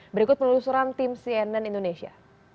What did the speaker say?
berikut penelusuran tim cnn indonesia